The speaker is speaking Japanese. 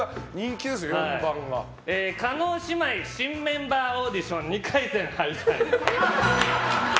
叶姉妹新メンバーオーディション２回戦敗退。